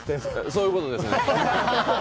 そういうことですね。